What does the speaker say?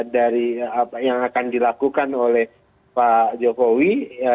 dari apa yang akan dilakukan oleh pak jokowi